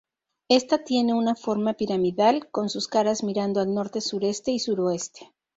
Esta tiene una forma piramidal, con sus caras mirando al norte, sureste y suroeste.